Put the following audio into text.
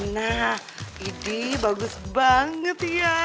nah ini bagus banget ya